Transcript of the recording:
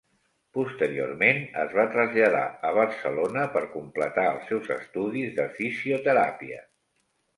Posteriorment es va traslladar a Barcelona per completar els seus estudis de fisioteràpia.